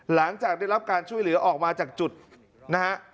หลังจากได้รับการช่วยเหลือออกมาจากจุดนะฮะ